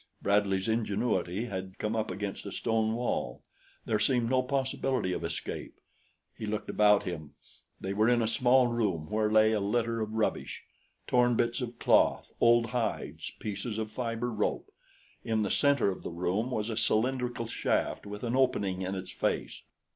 Bradley's ingenuity had come up against a stone wall. There seemed no possibility of escape. He looked about him. They were in a small room where lay a litter of rubbish torn bits of cloth, old hides, pieces of fiber rope. In the center of the room was a cylindrical shaft with an opening in its face.